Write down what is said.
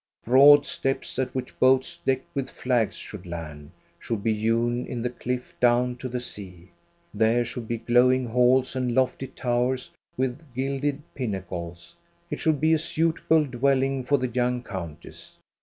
Broad steps, at which boats decked with flags should land, should be hewn in the cliff down to the sea. There should be glow ing halls and lofiy towers with gilded pinnacles. It should be a suitable dwelling for the young countess.